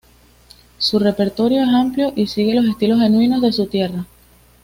Su repertorio es amplio y sigue los estilos genuinos de su tierra.